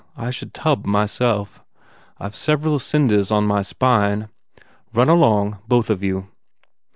I should tub, myself. I ve several cinders on my spine. Run along, both of you."